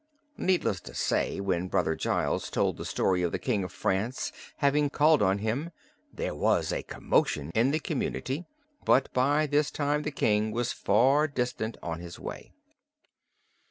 Needless to say when Brother Giles told the story of the King of France having called on him there was a commotion in the community. But by this time the King was far distant on his way.